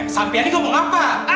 sampian ini kau mau apa